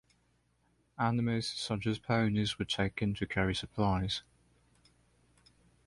Animals such as ponies were taken to carry supplies.